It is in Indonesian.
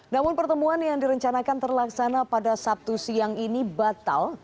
namun pertemuan yang direncanakan terlaksana pada sabtu siang ini batal